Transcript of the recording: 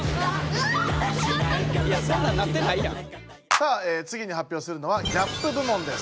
さあつぎに発表するのはギャップ部門です。